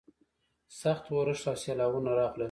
سخت اورښت او سیلاوونه راغلل.